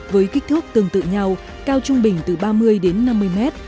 với kích thước tương tự nhau cao trung bình từ ba mươi đến năm mươi mét